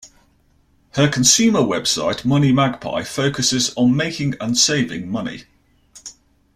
Her consumer website Moneymagpie focuses on making and saving money.